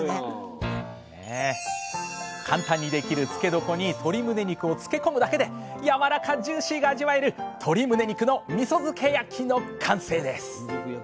簡単にできる漬け床に鶏むね肉を漬け込むだけでやわらかジューシーが味わえる「鶏むね肉のみそ漬け焼き」の完成です！